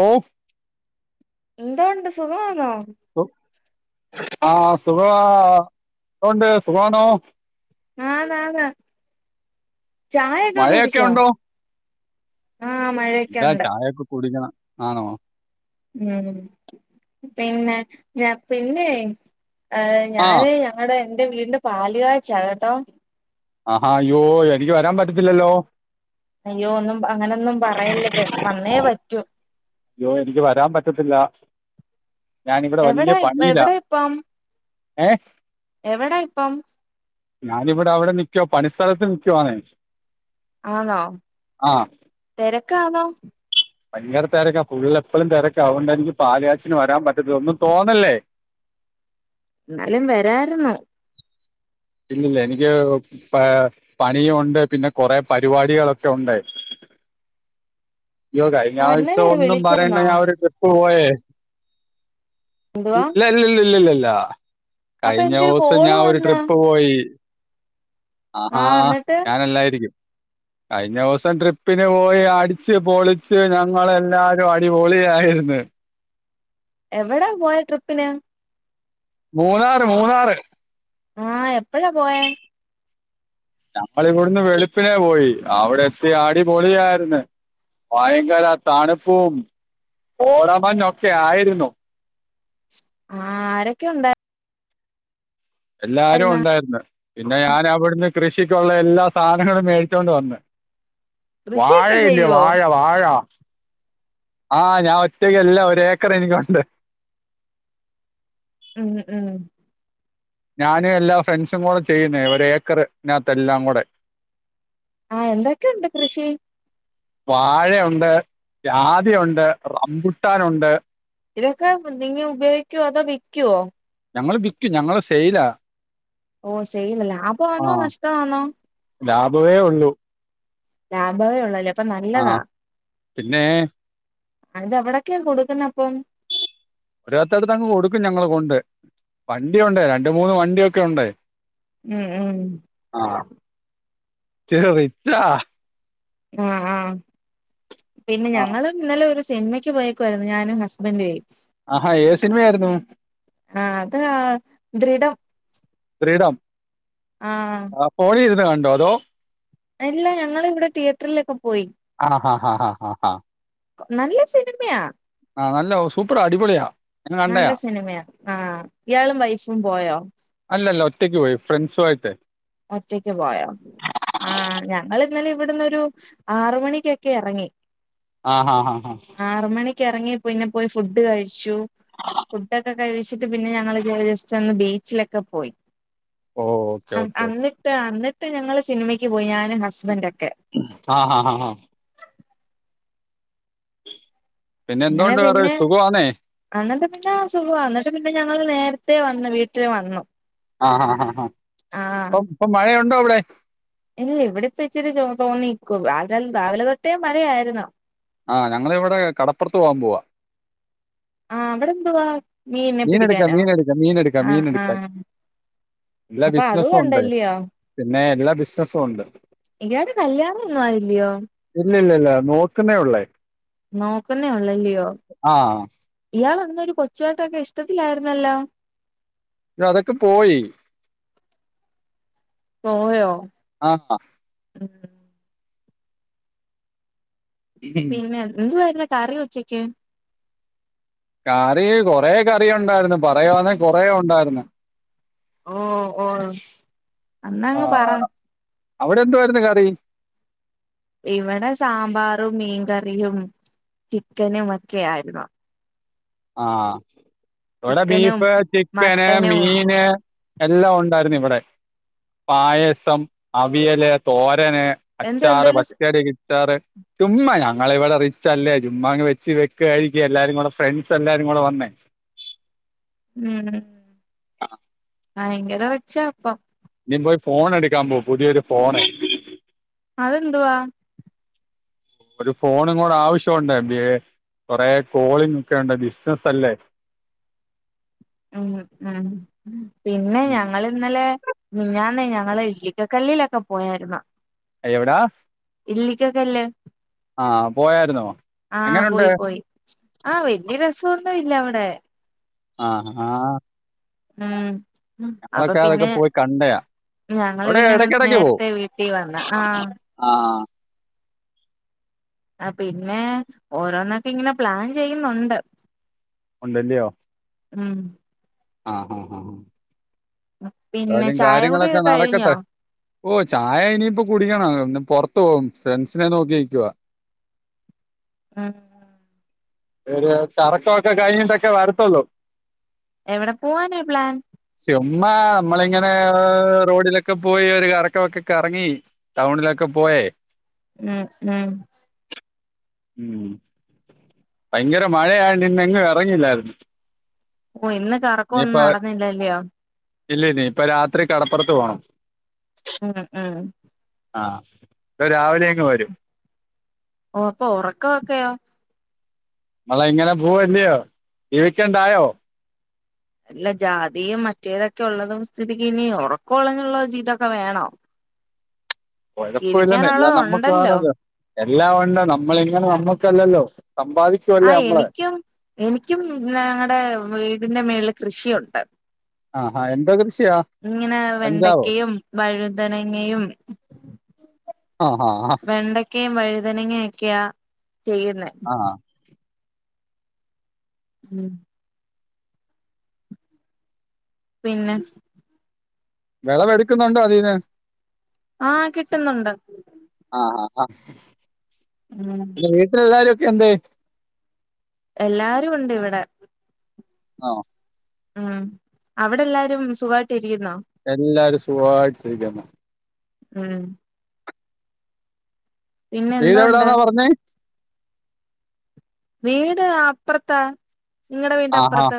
ഓ എന്താ ഉണ്ട് സുഖമാന്നോ ആഹ സുഖവ സുഖണ്ട് സുഖണോ ആഹ നന്നാ ചായൊക്കെ മഴയൊക്കെ കുൂടിച്ചോ ഇല്ലാ ചായയൊക്കെ കുടിക്കണം ആണോ ഉം പിന്നെ ഞാ പിന്നെ ഏ ആ ഞാന് ഞങ്ങളടെ എൻറെ വീടിന്റെ പാല് കാച്ചാകട്ടോ ആഹാ അയോ എനിക്ക് വരാൻ പറ്റത്തില്ലല്ലോ അയ്യോ ഒന്നും ച അയ്യോ എനിക്ക് വരാൻ പറ്റത്തില്ല ഞാനിവിടെ വലിയ എവിടാ പണിയിലാ എവിടാ ഇപ്പം ഏ എവിടാ ഇപ്പം ഞാനിവിടെ അവിടെ നിക്കുവോ പണിസ്ഥലത്ത്ൽ നിക്കക്കോവാന്ന ആണോ തിരക്കാണോ ഭയങ്കര തിരക്കാ ഫുള്ളള് എപ്പോഴും തിരക്ക അതൊണ്ട് എനിക്ക് പാല്യാാച്ചിന് വരാൻ പറ്റത്തി ഒന്നും തോന്നല്ലേ എന്നാലും വരരുന്നു ഇല്ലല്ല എനിക്ക് പണിയുണ്ട് പിന്നെ കൊറെ പരിപാടികളൊക്കെ ഉണ്ട് [inaudible] യോ ആഹ് കഴിഞായിച്ച ഇന്നലെ ഒന്നും പറയണ്ട വിളിച്ചായിരുന്നോ ഞാൻ ഒരു ട്രിപ്പ്‌ പ്പോയേ എന്തുവാ ഇല്ല ഇല്ലല്ല ഇല്ല ഇല്ല അപ്പൊ കഴിഞ്ഞ എനിക്കൊരു ദിവസം കോള് ഞാൻ ഒരു വന്ന് ട്രിപ്പ് യി ആഹ് ആഹ എന്നിട്ട് ഞാനല്ലായിരിക്കും [inaudible] കഴിഞ്ഞ ദിവസം ട്രിപ്പിന് പോയി അടിച്ച് പൊളിച്ച് ഞങ്ങളെല്ലാരും അടിപൊളിയായിരുന്നു എവിടാ പോയ ട്രിപ്പിനെ മൂന്നാറ് മൂന്നാറ് ആഹ എപ്പഴാ പോയ ഞമ്മൾി ഇവിടുന്ന് വെളുപ്പിനെ പോയി അവിടെ എത്തി ആടിപൊളിയായിന്ന് വയങ്കാല തണുപ്പും കൊ ടാമഞ്ഞൊക്കെ ആയിരുന്നു ആഹ ആരൊക്കെ ഉണ്ട് എല്ലാരും ഉണ്ടായിരുന്നു പിന്നെ ഞാൻ അവിടുന്ന് കൃഷിക്കുള്ള എല്ലാ സാധനങ്ങള്ൾ മേടിച്ചൊണ്ട് വന്ന് വായ കൃഷിയൊക്കെ ഇല്ലേ ചെയ്യുവോ വാഴ വാഴ ആഹ ഞാൻ ഒറ്റയ്ക്ക്ല്ല ഒരു ഏക്കർ എനിക്കുണ്ട് ഉം ഉം ഞാനും എല്ലാ ഫ്രണ്ട്സും കൂടെ ചെയ്യുന്നേ ഒരു ഏക്കർ അതിനകത്ത് എല്ലാം കൂടെ ആ എന്തൊക്കെയുണ്ട് കൃഷി വാഴയുണ്ട് ജാതി ഉണ്ട് റമ്പുട്ടാനുണ്ട് ഇതൊക്കെ നിങ്ങ ഉപയോഗിക്കുവോ അതോ വിക്കുവോ ഞങ്ങള് ഞങ്ങള് സെയിലാ ഓ സെയില് ലാഭമാണോ ആഹ് നഷ്ടം ആണോ ലാഭവേ ഉള്ളൂ ലാഭമേ ഉള്ളലോ ആഹ പിന്നെ അതെവിടൊക്കെയാ കൊടുക്കുന്ന അപ്പം ഓരേത്തടുത്തടുത്തങ്ങ് കൊടുക്കും ഞങ്ങള് കൊണ്ട് വണ്ടിയുണ്ട് രണ്ട് മൂന്ന് വണ്ടിയൊക്കെ ഉണ്ട് ഉം ഉം ആഹ് ഇച്ചിരി റിച്ചാ ആ ആഹ പിന്നെ ആഹ് ഞങ്ങള് ഇന്നലെ ഒരു സിനമയ്ക്ക് പോയോക്കുവായിരുന്നു ഞാനും ഹസ്ബൻഡും മേ ആഹാ ഏത് സിനിമയായിരുന്നു ആ അത് ദൃഢം ദ്യഡം ആഹ് ആ പോഴി ഇരുന്ന് കണ്ടോ അതോ ഇല്ല ഞങ്ങള് ഇവിടെ തിയേറ്ററിലൊക്കെ പോയി ആ ഹാ ഹാ ഹാാാ നല്ല സിനിമയാ ആഹ നല്ല സൂപ്പറാ അടിപൊളിയാ ഞാൻ നല്ല കണ്ടയാ സിനിമയാണ് ആഹ് ഇയാളും വൈഫും പോയോ ഒറ്റക്ക് പോയി ഫ്രെണ്ട്സ്സും ആയിട്ട് ഒറ്റയ്ക്ക് പോയോ ആ ഞങ്ങള് ഇന്നലെ ഇവിടുന്നു ഒരു ആറ് മണിക്കൊക്കെ ഇറങ്ങി ആഹ് ആഹ് ആഹ് ആഹ് ആറു മണിക്ക് ഇറങ്ങി പിന്നെ പോയി ഫുഡ് കഴിച്ചു ഫുഡൊക്കെ കഴിച്ചിട്ട് പിന്നെ ഞങ്ങള് ജസ്റ്റ് ഒന്ന് ബീച്ചിലൊക്കെ പോയി ഓഹ ഓക്കെ ഓക്കെ ഓക്കെ അന്നിട്ട് അന്നിട്ട് ഞങ്ങള് സിനിമയ്ക്ക് പോയി ഞാൻ ആഹ ഹഹ് ഹഹ് പിന്നെ അങ്ങനെ എന്തുകൊണ്ട് വേറെ പിന്നെ സുഖമാണേ അന്നിട്ട് പിന്നെ സുഖാ എന്നിട്ട് പിന്നെ ഞങ്ങൾ നേരത്തെ വ ന്നു വീട്ടിലിൽ വന്നു ആഹ ആ ആഹ് ആ ആഹ് അപ്പ ഇപ്പൊ മഴയുണ്ടോ അവിടെ ഇല്ല ഇവിടെ ഇപ്പ ഇച്ചിരി തോന്നിക്കൂവാ രാവിലെ തൊട്ടേ മഴയായിരുന്നു ആഹ് ഞങ്ങള ഇവിടെ കടപ്പുറത്ത് പോവാൻ പോവാ ആഹ് അവിടെ എന്തുവാ മീനിനെ മീൻ എടുക്കാൻ പിടിക്കാനോ മീൻ എടുക്കാൻ മീൻ എടുക്കാൻ മീൻ ആഹ് എടുക്കാൻ ആഹ് എല്ലാ അപ്പൊ അതും ബിസിനസ്സും ഉണ്ട് ഉണ്ടല്ലയോ പിന്നെ എല്ലാ ബിസിനസും ഉണ്ട് ഇയാൾക്ക് കല്യാണ ണം ഒന്നും ആയില്ലയോ ഇല്ല ഇല്ല ഇല്ല നോക്കുന്നേ ഉള്ളേ നോക്കുന്നേ ഉള്ളല്ലയോ ആ ഇയാൾ എന്തുവാ കൊച്ചെ കൊച്ചും ആയിട്ടൊക്കെ ഇഷ്ടത്തിലായിരുന്നല്ലോ അതൊക്കെ പോയി പോയോ ആഹ ഉം പിന്നെ എന്തുവായിരുന്നു കറി ഉച്ചക്ക് കറി കൊറ കറി ഉണ്ടായിരുന്നു പറയുവാണേൽ കൊറേ ഉണ്ടായിരുന്ന് ഓ ഓ എന്ന ആ അങ്ങ് പറാ അവിടെ എന്തുവായിരുന്നു കറി ഇവിടെ സാമ്പാറും മീൻകറിയും ചിക്കനും ഒക്കെ ആയിരുന്നു ആ ഇവിടെ ചിക്കനും ബീഫ് ചിക്കന് മട്ടനും മീന് എല്ലാം ഒണ്ടായിരുന്നു ഇവിടെ പായസം അവിയല് തോ രന് എന്തു അച്ചാറ് എന്തേലും പച്ചടി കി അച്ചാറ് ചുമ്മാ ഞങ്ങള് ഇവിടെ റിച്ച് അല്ലേ ചുമ്മാ അങ്ങ് വെച്ച് വെച്ച് കഴിക്ക എല്ലാരുംകൂടെ ഫ്രണ്ട്സ് എല്ലാരും കൂടെ വന്നേ ഉം ഭയങ്കര റിച്ചാപ്പ ഞ്ഞി പോയി ഫോൺ എടുക്കാൻ പോ പുതിയൊരു ഫോണ് അതെന്തുവാ ഒരു ഫോണ് ഇങ്ങോട് ആവശ്യണ്ട് എന്ത്യെ കൊറെ കോളിങ് ഒക്കെണ്ട് ബിസിനസ് അല്ലേ ഉം ഉം പിന്നെ ഉം ഞങ്ങള് ഇന്നലെ മിനിഞ്ഞാന്ന് ഞങ്ങള് ഇക്കക്കല്ലി ലൊക്കെ പോയായിരുന്നു എവിടാ ഇല്ലിക്കക്കല്ലേ ആഹ് പോയായിരുന്നോ ആ എങ്ങനുണ്ട് പോയി പോയി ആ വല്യ രസന്നും ഇല്ല അവിടെ ആ ആ ഉം അപ്പൊ പിന്നെ പോയി കണ്ടയാ ഞങ്ങള് അവിടെ പിന്നെങ്ങനെ ഇടക്കിടക്ക് പോവും നേര്ത്തെ വീട്ടിൽ വന്ന ആ ആഹ് ആ പിന്നെ ഓരോന്നൊക്കെ ഇങ്ങനെ പ്ലാൻ ചെയ്യുന്നുണ്ട് ഉണ്ടല്ല്യോ ഉം ആ ആ ആ പിന്നെ എന്തായാലും ചായ കാര്യങ്ങളൊക്കെ കുടിയൊക്കെ കഴിഞ്ഞോ നടക്കട്ടെ ഓ ചായ ഇനിയിപ്പൊ കുടിക്കണം ഇന്ന് പൊർത്തു പോകും ഫ്രണ്ട്സിനെ നോക്കിയിരിക്കുവാ ആ ഒരു കറക്കൊക്കെ കഴിഞ്ഞിട്ടൊക്കെ വരത്തുള്ളൂ എവിടെ പോവാനാ പ്ലാൻ ചുമ്മ നമ്മളിങ്ങനെ റോഡിലൊക്കെ പോയി ഒരു കറക്കൊക്കൊ കറങ്ങി ടൗണിലൊക്കെ പോ പോയെ ഉം ഉം ഭയങ്കര മഴയായണ്ട് ഇന്ന് എങ്ങും എറങ്ങില്ലായിരുന്നു ഓ ഇന്ന് കറക്കൊന്നും നടന്നില്ലല്ല്യോ ഇല്ലനീ പ്പൊ രാത്രി കടപ്പറത്ത് പോണം ഉം ഉം ആ പ്പൊ രാവിലെ അങ്ങ് വരും ഓ അപ്പൊ ഉറക്ക ഒക്കയോ നമ്മള് ഇങ്ങനെ പോവല്ലയോ ജീവിക്കണ്ടായോ അല്ല ജാതിയും മറ്റേതൊക്കെ ഉള്ളതും സ്ഥിതിക്ക് ഇനി ഉറക്കുകള ഞ്ഞുള്ള ജീവിതൊക്കെ വേണോ കൊഴപ്പം ഇില്ലന്നെ എല്ലാം ജീവിക്കാനുള്ളത് നമ്മക്ക് ഉണ്ടല്ലോ വേണല്ലോ എല്ലാം ഉണ്ട നമ്മളിങ്ങനെ നമ്മുക്കല്ലല്ലോ ആ എനിക്കും എനിക്കും ഞങ്ങടെ വീടിന്റെ മേളിൽ കൃഷിയുണ്ട് ആഹാ എന്തോ കൃഷിയാ ഇങ്ങനെ പഞ്ച വെണ്ടക്കയും വഴു തനങ്ങയും ആഹാ ആ വെണ്ടക്കയും വഴുതനങ്ങ ഒക്കെയ ചെയ്യുന്നെ ഹാ ആ ഉം പിന്നെ വിളവെടുക്കുന്നുണ്ടോ അതീന്ന് ആ കിട്ടുന്നുണ്ട് ആഹാ ഉം പിന്നെ വീട്ടിലെ എല്ലാരൊക്കെ എന്ത്യെ എല്ലാരും ഉണ്ട് ഇവിടെ ആ ഉം അവിടെ എല്ലാരും സുഖമായിട്ട് ഇരിക്കുന്നോ എല്ലാരും സുഖായിട്ടിരിക്ക ഉം പിന്നെ വീട് എന്തോണ്ട് എവിടാന്നാ പറഞ്ഞേ വീട് അപ്പുറത്താ നിങ്ങളടെ വീന്റെ അപ്പുറത്ത്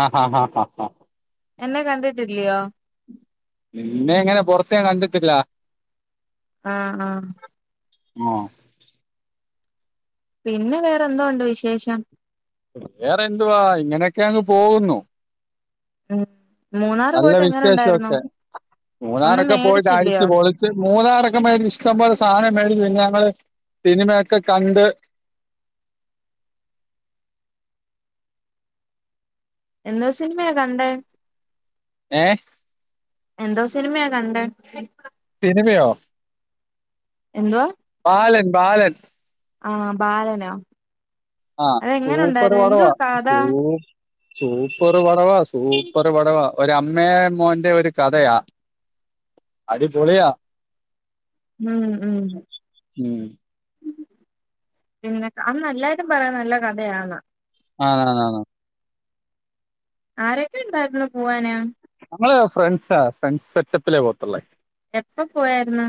ആഹ് ഹാ ഹാ ആഹ് എന്നാ കണ്ടിട്ട്ല്ലയോ നിന്നെ എങ്ങനെ പൊറത്തേ ഞൻ കണ്ടിട്ടില്ല ആഹ് ആഹ് ആഹ് പിന്നെ വേറെന്തോ ഉണ്ട് വിശേഷം വേറെ എന്തുവാ ഇങ്ങനെയൊക്കെ അങ്ങ് പോകുന്നു ഉം മൂന്നാറ് നല്ല പോയിട്ട് എങ്ങനെ വിശേഷം ഉണ്ടായിരുന്നു ഒക്കെ ഒന്നും മൂന്നാറൊക്കെ പോയിട്ട് അടിച്ച് മേടിച്ചില്ലയോ പൊളിച്ച് മൂന്നാറൊക്കെ പോയിട്ട ഇഷ്ടം പോലെ സാധനം പിന്നെ ഞങ്ങള് സിനിമയൊക്കെ കണ്ട് എന്തോ സിനിമയാ കണ്ടേ ഏഹ് എന്തോ സിനിമയാ കണ്ട സിനിമയോ എന്തുവാ ബാലൻ ബാലൻ ആഹ് ബാലനോ ആഹ് അതെങ്ങനെ സൂപ്പർ ഉണ്ടായിരുന്നു വടവാ എന്തുവാ കഥ സൂ സൂപ്പർ പടവാ സൂപ്പർ പടവാ ഒരമ്മേ മോന്റെ ഒരു കഥയാ. അടിപൊളിയാ. ഉം ഉം ഉം പിന്നെ അനല്ലാരും പറയാൻ നല്ല കഥയാണ് ആണാണ് ആരൊക്കെ ഉണ്ടായിരുന്നോ പോവാനാ ഇങ്ങളെ ഫ്രണ്ട്സാ ഫ്രണ്ട്സ് സെറ്റപ്പിലേ പോത്തുള്ളേ എപ്പൊ പോയാര്ന്ന്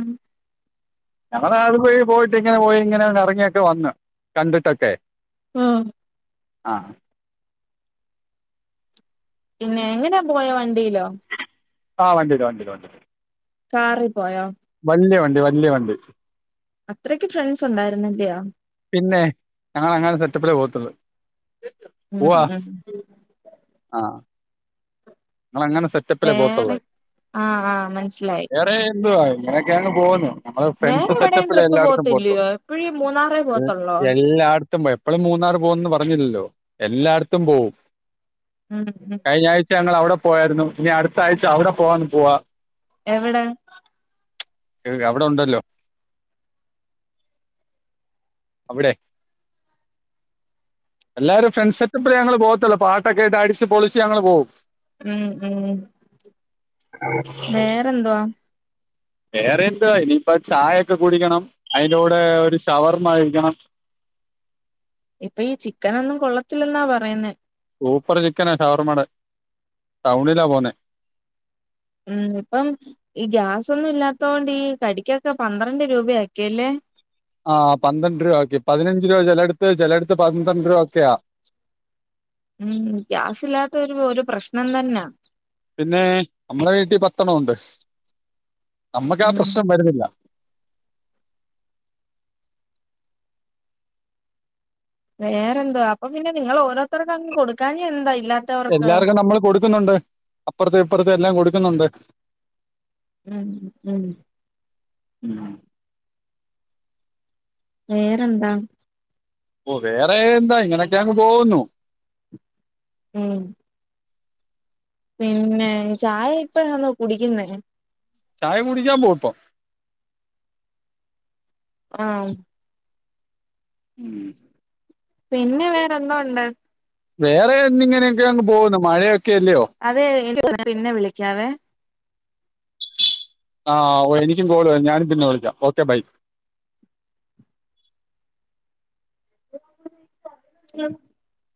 ഞങ്ങള് ആലപ്പുഴേ പോയിട്ട് ങ്ങനെ പോയി ഇങ്ങനെ കറങ്ങിയൊക്കെ വന്ന് കണ്ടിട്ടൊക്കെ ഉം. ആഹ്. പിന്നെ എങ്ങനാ പോയേ വണ്ടിയിലോ? ആഹ് വണ്ടിയില് വണ്ടിയില് വണ്ടീല്. കാറി പോയോ? വല്ല്യ വണ്ടി വല്ല്യ വണ്ടി അത്രക്ക് ഫ്രണ്ട്സ് ഉണ്ടായിരന്നില്ലയോ? പിന്നെ ഞങ്ങള് അങ്ങനെ സെറ്റപ്പിലേ പോത്തുള്ളു. ഉം [unintelligible] ഞങ്ങള് അങ്ങനെ സെറ്റപ്പിലേ വേറെ പോത്തുള്ളേ ആഹ് ആഹ് മനസ്സിലായി വേറെ എന്തുവാ ഇങ്ങനെയൊക്കെങ്ങ് പോവുന്നു. നമ്മള് വേറെ ഫ്രണ്ട്സ് എവിടെയും സെറ്റപ്പിലേ ട്രിപ്പ് എല്ലാട്ത്തും പോവത്തില്ലയോ പോത്തുള്ളൂ. എപ്പഴും മൂന്നാറേ പോവത്തുള്ളോ എല്ലാട് ത്തും. എപ്പളും മൂന്നാർ പോവുന്ന് പർഞ്ഞില്ലല്ലോ. എല്ലായിട്ത്തും പോവും. ഉം ഉം ഞങ്ങള് അവിടെ പോയായ്രുന്നു. ഇനി അടുത്ത ആഴ്ച അവിടെ പോവാന്ന് പോവാ. എവിടെ? അവിടെ ഉണ്ടല്ലോ. അവിടെ എല്ലാരും ഫ്രണ്ട് സെറ്റപ്പിലേ ഞങ്ങള് പോവത്തുള്ളൂ. പാട്ടൊക്കെട്ട് അടിച്ച് പൊളിച്ച് ഞങ്ങള് പോവും. ഉം ഉം വേറെന്തുവാ വേറെ എന്തുവാ ഇനിയിപ്പോ ചായൊക്കെ കുടിക്കണം അയിന്റെ കൂടെ ഒരു ഷവർമ കഴിക്കണം ഇപ്പൊ ഈ ചിക്കനൊന്നും കൊള്ളത്തില്ലെന്നാ പറയുന്നേ സൂപ്പറ് ചിക്കനാ ഷവർമാടെ ടൗണിലാ പോന്നേ ഉം ഇപ്പം ഈ ഗ്യാസൊന്നും ഇല്ലാത്തോണ്ട് ഈ കടിക്കൊക്കെ പന്ത്രണ്ട് രൂപയാക്കിയല്ലേ ആഹ് പന്ത്രണ്ട് രൂപാക്കി പതിനഞ്ച് രൂപ ചെലടുത്ത് ചെലടുത്ത് പന്ത്രണ്ട് രൂപ ഒക്കെയാ ഉം ഗ്യാസില്ലാത്ത ഒരു ഒരു പ്രശ്നം തന്നാ പിന്നേ നമ്മളെ വീട്ടി പത്തെണ്ണ ഒണ്ട് നമ്മക്കാ ഉം പ്രശ്നം വരുന്നില്ല വേറെന്തുവാ അപ്പൊ പിന്നെ നിങ്ങള് ഓരോരുത്തർക്കങ്ങ് കൊടുക്കാഞ്ഞ എന്താ ഇല്ലാത്തവർക്ക് എല്ലാർക്കും നമ്മള് കൊടുക്കുന്നുണ്ട് അപ്പുർത്ത് ഇപ്പുർത്ത് എല്ലാം കൊടുക്കുന്നുണ്ട് ഉം ഉം ഉം വേറെന്താ ഓഹ് വേറെ എന്താ ഇങ്ങനെയൊക്കെയങ്ങ് പോകുന്നു ഉം പിന്നേ ചായ ഇപ്പഴാന്നോ കുടിക്കുന്നേ ചായ കുടിക്കാൻ പോവും പ്പം ആഹ് ഉം പിന്നേ വേറൊന്തോണ്ട്? വേറെ എന്നിങ്ങനെയൊക്കെ അങ്ങ് പോവുന്നു മഴ അതെ പിന്നെ വിളിക്കാവേ. ആഹ് ഓഹ് എനിക്കും കോള് വര്ന്ന് ഞാനും പിന്നെ വിളിക്കാം. Okay bye [inaudible]